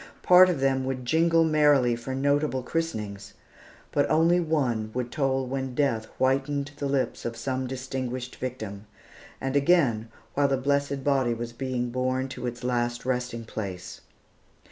Part of them would jingle merrily for notable christenings; but one only would toll when death whitened the lips of some distinguished victim; and again, while the blessed body was being borne to its last resting place.